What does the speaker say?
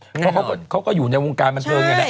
เพราะเขาก็อยู่ในวงการมันเกิน